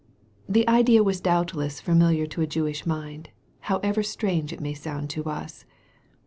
The idea was doubtless familiar to a Jewish mind, however strange it may sound to us.